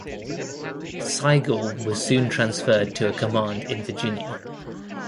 Sigel was soon transferred to a command in Virginia.